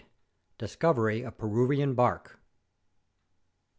DISCOVERY OF PERUVIAN BARK.